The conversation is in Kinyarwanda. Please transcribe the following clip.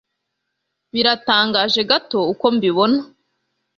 Biratangaje gato uko mbibona.